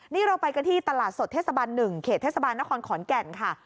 นี่เราไปกันที่ตลาดสดเทศบัน๑เขตเทศบาลนครขอนแก่นค่ะ